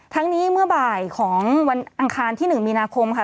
ทั้งนี้เมื่อบ่ายของวันอังคารที่๑มีนาคมค่ะ